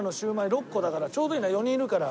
６個だからちょうどいいね４人いるから。